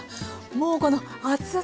もうこの熱々。